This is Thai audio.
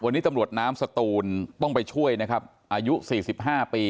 วันนี้ตำรวจน้ำสตูนต้องไปช่วยนะครับอายุ๔๕ปี